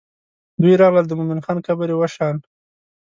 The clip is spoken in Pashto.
دوی راغلل د مومن خان قبر یې وشان.